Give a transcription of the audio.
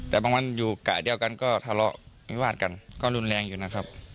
แต่บางวันอยู่กะเดียวกันก็ทะเลาะวิวาดกันก็รุนแรงอยู่นะครับ